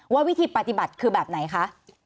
วิธีปฏิบัติคือแบบไหนคะ